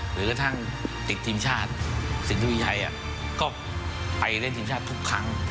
หรือกระทั่งติดทีมชาติสิงหุยชัยก็ไปเล่นทีมชาติทุกครั้ง